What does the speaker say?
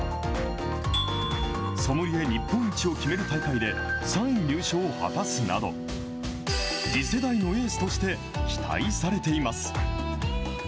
ソムリエ日本一を決める大会で３位入賞を果たすなど、次世代のエースとして期待されています。